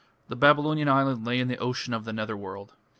The Babylonian island lay in the ocean of the Nether World.